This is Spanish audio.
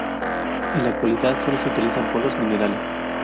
En la actualidad sólo se utilizan polvos minerales.